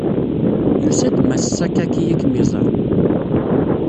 Yusa-d Mass Sakaki ad kem-iẓeṛ.